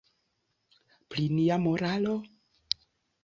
Pri nia moralo?